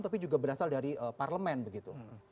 tapi juga berasal dari parlemen begitu